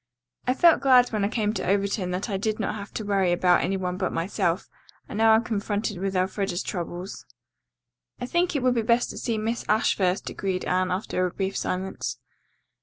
"I felt glad when I came to Overton that I did not have to worry about any one but myself, and now I'm confronted with Elfreda's troubles." "I think it would be best to see Miss Ashe first," agreed Anne, after a brief silence.